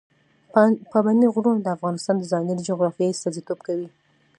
پابندي غرونه د افغانستان د ځانګړې جغرافیې استازیتوب کوي.